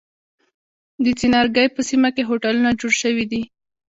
د څنارګی په سیمه کی هوټلونه جوړ شوی دی.